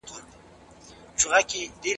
هره ورځ یو نوی پیل دی.